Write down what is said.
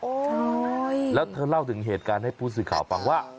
ใช่แล้วเธอเล่าถึงเหตุการณ์ให้ผู้สื่อข่าวฟังว่า